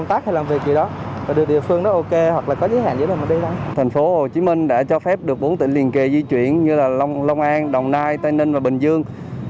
tp hcm đã cho phép được bốn tỉnh liên kỳ di chuyển như là long an đồng nai tây ninh và bình dương